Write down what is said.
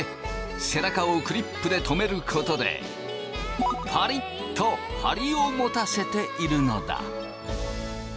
背中をクリップで留めることでパリッと張りを持たせているのだ。